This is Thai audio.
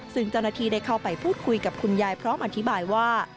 ซึ่งเจ้าหน้าที่ได้เข้าไปพูดคุยกับคุณยายพร้อมอธิบายว่า